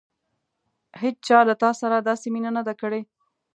هېڅچا له تا سره داسې مینه نه ده کړې.